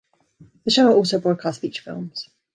The channel also broadcast feature films.